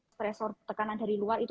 stressor tekanan dari luar itu